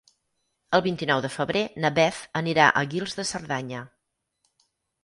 El vint-i-nou de febrer na Beth anirà a Guils de Cerdanya.